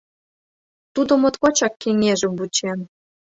Тудо моткочак кеҥежым вучен.